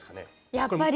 やっぱり！